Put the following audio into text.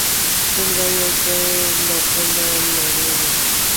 څومره یو ځای له بله لرې و.